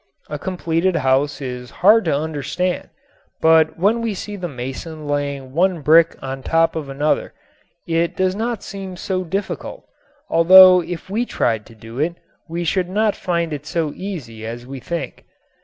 A completed house is hard to understand, but when we see the mason laying one brick on top of another it does not seem so difficult, although if we tried to do it we should not find it so easy as we think.